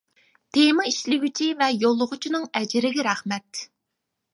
تېما ئىشلىگۈچى ۋە يوللىغۇچىنىڭ ئەجرىگە رەھمەت!